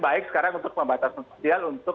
baik sekarang untuk pembatasan sosial untuk